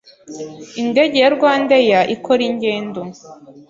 Indege ya Rwandair ikora ingendo